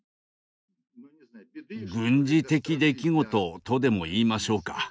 「軍事的出来事」とでも言いましょうか。